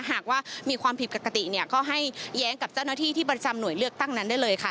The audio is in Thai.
หากว่ามีความผิดปกติเนี่ยก็ให้แย้งกับเจ้าหน้าที่ที่ประจำหน่วยเลือกตั้งนั้นได้เลยค่ะ